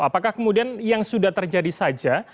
apakah kemudian yang sudah terjadi saja